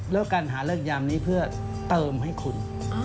แล้วการหาเลิกยามนี้เพื่อเติมให้คุณ